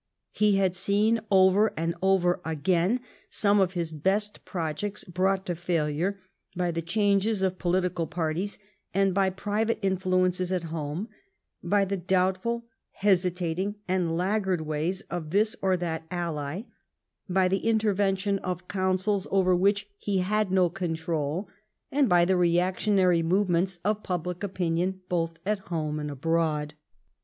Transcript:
He had seen, over and over again, some of his best projects brought to failure by the changes of po litical parties and by private influences at home, by the doubtful, hesitating, and laggard ways of this or that ally, by the intervention of counsels over which he had no control, and by the reactionary movements of pub lic opinion both at home and abroad.